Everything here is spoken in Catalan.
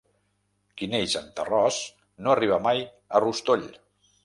Qui neix en terròs no arriba mai a rostoll.